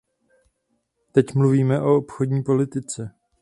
Teď mluvíme o obchodní politice.